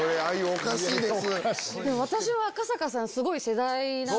おかしいです。